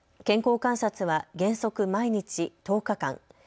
健康観察は原則、毎日１０日間。